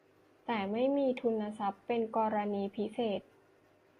แต่ไม่มีทุนทรัพย์เป็นกรณีพิเศษ